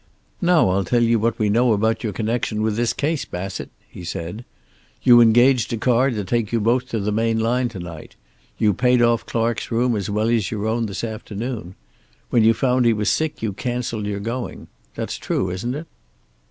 "Now I'll tell you what we know about your connection with this case, Bassett," he said. "You engaged a car to take you both to the main line to night. You paid off Clark's room as well as your own this afternoon. When you found he was sick you canceled your going. That's true, isn't it?"